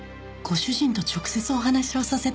ご主人と直接お話をさせてください。